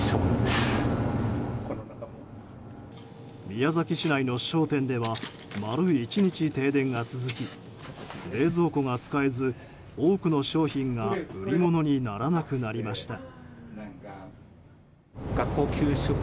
宮崎市内の商店では丸１日、停電が続き冷蔵庫が使えず、多くの商品が売り物にならなくなりました。